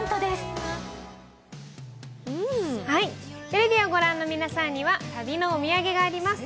テレビを御覧の皆さんには旅のお土産があります。